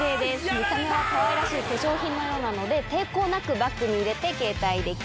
見た目はかわいらしい化粧品のようなので抵抗なくバッグに入れて携帯できます。